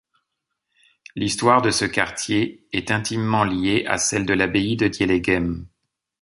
L'histoire de ce quartier est intimement liée à celle de l'abbaye de Dieleghem.